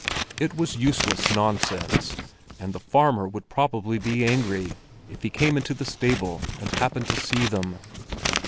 It was useless nonsense, and the farmer would probably be angry if he came into the stable and happened to see them.